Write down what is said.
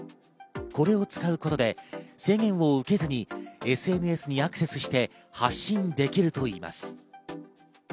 これを使うことで制限を受けずにＳＮＳにアクセスして発信できるといいます。